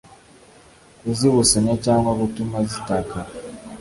kuzibusanya cyangwa gutuma zitakara